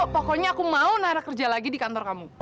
pokoknya aku mau nara kerja lagi di kantor kamu